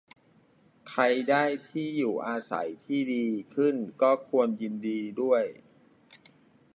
ใครได้ที่อยู่อาศัยที่ดีขึ้นก็ควรยินดีด้วย